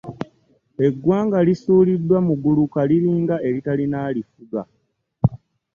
eggwaga lisuliddwa mu guluka liringa eritarina alifuga